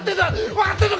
分かってんのか！